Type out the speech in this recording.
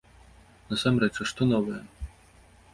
Насамрэч, а што новае?